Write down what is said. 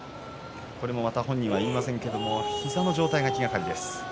これもまた本人は言いませんけど膝の状態が気がかりです。